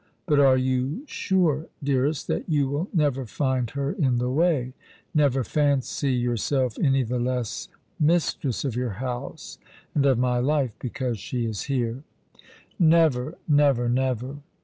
But are you sure, dearest, that you will never find her in the way, never fancy yourself any the less mistress of your house, and of my life, because she is here ?"" Never, never, never